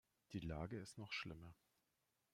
Die Lage ist noch schlimmer.